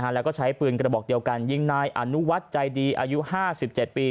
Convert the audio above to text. แล้วก็ใช้ปืนกระบอกเดียวกันยิงนายอนุวัฒน์ใจดีอายุ๕๗ปี